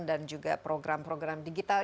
dan juga program program digital